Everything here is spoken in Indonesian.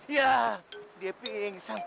yah dia pingsan